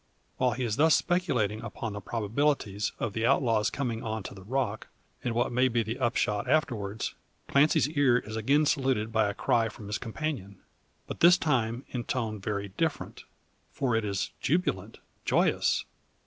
While he is thus speculating upon the probabilities of the outlaws coming on to the rock, and what may be the upshot afterwards, Clancy's ear is again saluted by a cry from his companion. But this time in tone very different: for it is jubilant, joyous.